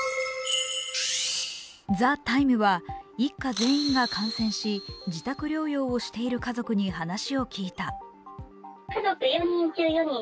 「ＴＨＥＴＩＭＥ，」は一家全員が感染し自宅療養をしている家族に話を聞いた。